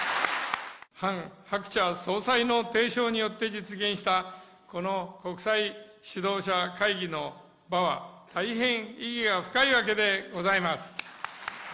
ハン・ハクチャ総裁の提唱によって実現した、この国際指導者会議の場は、大変意義が深いわけでございます。